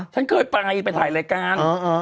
ฉันเคยไปไปถ่ายรายการ